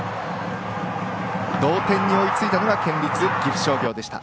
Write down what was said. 同点に追いついたのが県立岐阜商業でした。